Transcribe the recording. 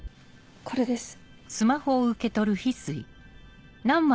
これです。